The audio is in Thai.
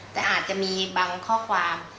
แต่อาจจะมีบางข้อความ